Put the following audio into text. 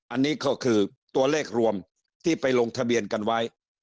อันนี้ก็คือตัวเลขรวมที่ไปลงทะเบียนกันไว้